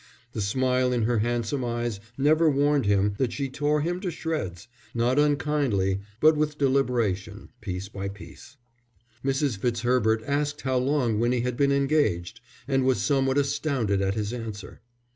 The smile in her handsome eyes never warned him that she tore him to shreds, not unkindly but with deliberation, piece by piece. Mrs. Fitzherbert asked how long Winnie had been engaged, and was somewhat astounded at his answer.